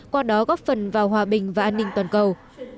qua đó góp phần vào hòa bình và an ninh toàn cầu